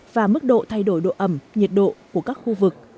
và mức độ thay đổi độ ẩm nhiệt độ của các khu vực